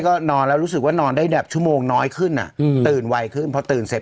ก็นอนแล้วรู้สึกว่านอนได้แบบชั่วโมงน้อยขึ้นอ่ะอืมตื่นไวขึ้นพอตื่นเสร็จ